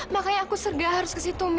makanya aku serga harus ke situ mie